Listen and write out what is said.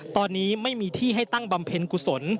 ตอนนี้ไม่มีที่ให้ตั้งบำเพ็ญกุศล